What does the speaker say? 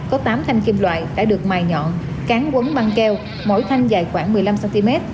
có tám thanh kim loại đã được mài nhọn cán quấn băng keo mỗi thanh dài khoảng một mươi năm cm